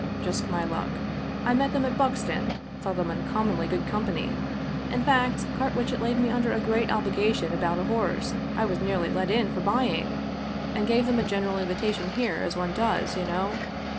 Just my luck. I met them at Buxton, thought them uncommonly good company — in fact, Carwitchet laid me under a great obligation about a horse I was nearly let in for buying — and gave them, a general invitation here, as one does, you know.